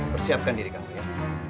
persiapkan diri kamu ya